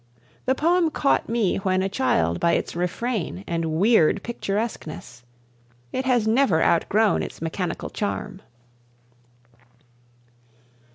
The poem caught me when a child by its refrain and weird picturesqueness. It has never outgrown its mechanical charm.